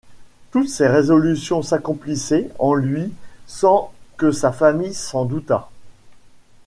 Toutes ces révolutions s’accomplissaient en lui sans que sa famille s’en doutât.